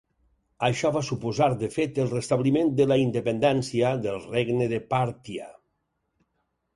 Això va suposar de fet el restabliment de la independència del regne de Pàrtia.